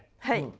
はい。